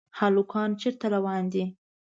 هلکان چېرته روان دي ؟